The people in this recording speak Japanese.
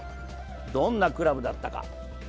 どんなクラブだったか。